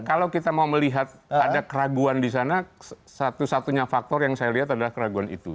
kalau kita mau melihat ada keraguan di sana satu satunya faktor yang saya lihat adalah keraguan itu